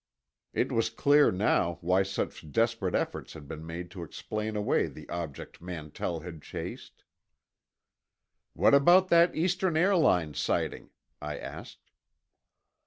It was clear now why such desperate efforts had been made to explain away the object Mantell had chased. "What about that Eastern Airlines sighting?" I asked.